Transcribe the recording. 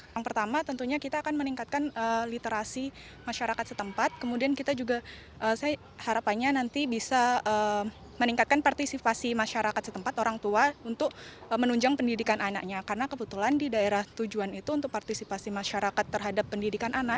yang pertama tentunya kita akan meningkatkan literasi masyarakat setempat kemudian kita juga saya harapannya nanti bisa meningkatkan partisipasi masyarakat setempat orang tua untuk menunjang pendidikan anaknya karena kebetulan di daerah tujuan itu untuk partisipasi masyarakat terhadap pendidikan anak